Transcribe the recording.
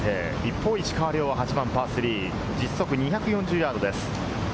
石川遼は８番パー３、実測２４０ヤードです。